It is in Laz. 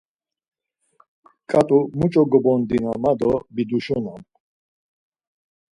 Ǩat̆u muç̌o gobondina ma do biduşunam.